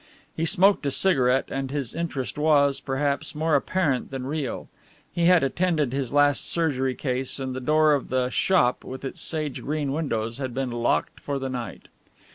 He smoked a cigarette and his interest was, perhaps, more apparent than real. He had attended his last surgery case and the door of the "shop," with its sage green windows, had been locked for the night.